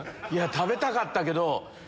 食べたかったけど。